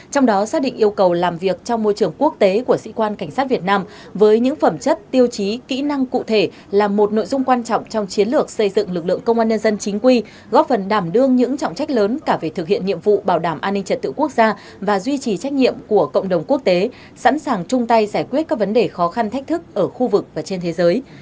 trong đó xác định yêu cầu làm việc trong môi trường quốc tế của sĩ quan cảnh sát việt nam với những phẩm chất tiêu chí kỹ năng cụ thể là một nội dung quan trọng trong chiến lược xây dựng lực lượng công an nhân dân chính quy góp phần đảm đương những trọng trách lớn cả về thực hiện nhiệm vụ bảo đảm an ninh trật tự quốc gia và duy trì trách nhiệm của cộng đồng quốc tế sẵn sàng chung tay giải quyết các vấn đề khó khăn thách thức ở khu vực và trên thế giới